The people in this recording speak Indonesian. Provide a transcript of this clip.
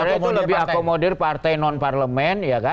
agraria itu lebih akomodir partai nonparlemen